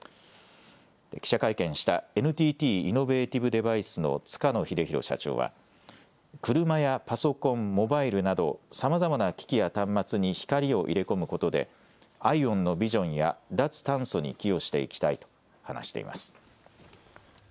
記者会見したＮＴＴイノベーティブデバイスの塚野英博社長は車やパソコン、モバイルなどさまざまな機器や端末に光を入れ込むことでＩＯＷＮのビジョンや脱炭素に寄与していきたいと話しています。